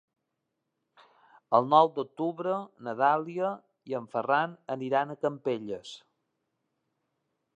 El nou d'octubre na Dàlia i en Ferran aniran a Campelles.